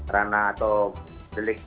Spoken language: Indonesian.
rana atau delik